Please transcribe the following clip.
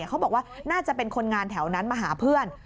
เขาบอกว่าน่าจะเป็นคนงานแถวนั้นมาหาเพื่อน